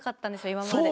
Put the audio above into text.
今まで。